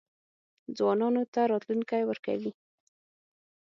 ځوانانو ته راتلونکی ورکوي.